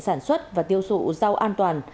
sản xuất và tiêu sụ giao an toàn